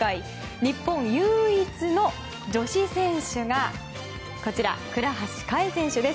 日本唯一の女子選手が倉橋香衣選手です。